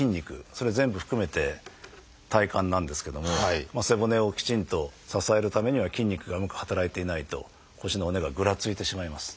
それを全部含めて体幹なんですけども背骨をきちんと支えるためには筋肉がうまく働いていないと腰の骨がぐらついてしまいます。